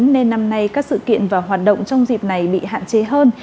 nên năm nay các sự kiện và hoạt động trong dịp này bị hạn chế hơn